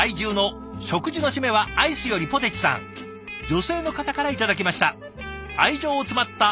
女性の方から頂きました。